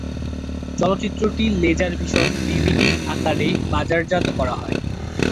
চলচ্চিত্রটি laser vision DVD আকারে বাজারজাত করে।